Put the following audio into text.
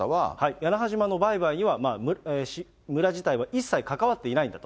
屋那覇島の売買には村自体は一切関わっていないんだと。